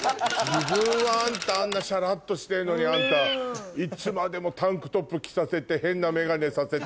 自分はあんたあんなシャラっとしてんのにいつまでもタンクトップ着させて変なメガネさせて。